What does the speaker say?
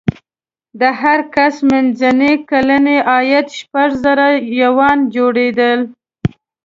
د هر کس منځنی کلنی عاید شپږ زره یوان جوړېدل.